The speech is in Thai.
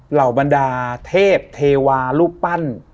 เหล่าบรรดาเทพเทวารูปปั้น